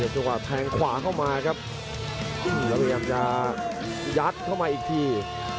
เจอกว่าแทงขวาเข้ามาครับแล้วยัดเข้ามาอีกที